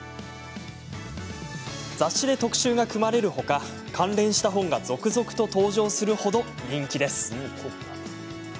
雑誌で特集が組まれるほか関連した本が続々と登場するほど人気です。